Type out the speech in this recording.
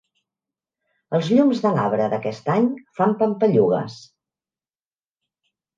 Els llums de l'arbre d'aquest any fan pampallugues.